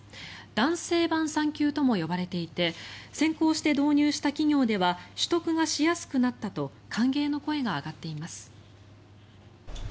男性版産休とも呼ばれていて先行して導入した企業では取得がしやすくなったと歓迎の声が上がっています。